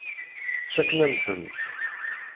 Fakken-am-tent.